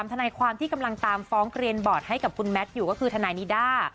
ทนายความที่กำลังตามฟ้องเกลียนบอร์ดให้กับคุณแมทอยู่ก็คือทนายนิด้า